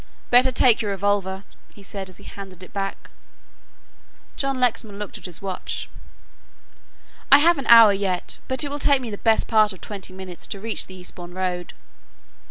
"Better take your revolver," he said as he handed it back. John Lexman looked at his watch. "I have an hour yet, but it will take me the best part of twenty minutes to reach the Eastbourne Road."